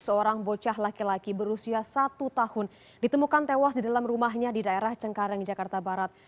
seorang bocah laki laki berusia satu tahun ditemukan tewas di dalam rumahnya di daerah cengkareng jakarta barat